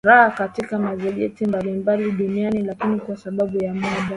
ra katika magazeti ya mbalimbali duniani lakini kwa sababu ya muda